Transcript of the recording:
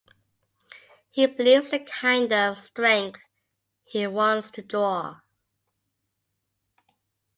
He believes the kind of strength he wants to draw.